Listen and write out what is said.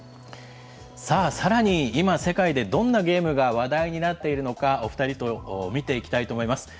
さあさらに今、世界でどんなゲームが話題になっているのかお２人と見ていきたいと思います。